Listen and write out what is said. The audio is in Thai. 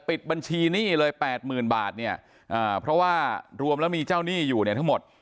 ปิดบัญชีหนี้เลย๘๐๐๐บาทเนี่ยเพราะว่ารวมแล้วมีเจ้าหนี้อยู่เนี่ยทั้งหมด